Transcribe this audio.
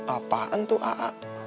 apaan tuh a'a